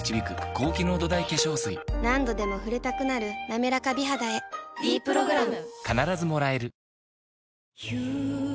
何度でも触れたくなる「なめらか美肌」へ「ｄプログラム」